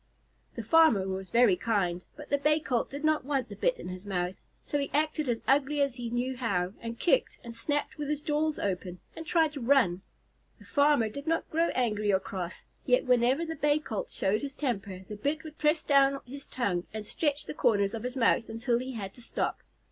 The farmer was very kind, but the Bay Colt did not want the bit in his mouth, so he acted as ugly as he knew how, and kicked, and snapped with his jaws open, and tried to run. The farmer did not grow angry or cross, yet whenever the Bay Colt showed his temper, the bit would press down his tongue and stretch the corners of his mouth until he had to stop.